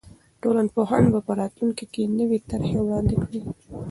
ټولنپوهان به په راتلونکي کې نوې طرحې وړاندې کړي.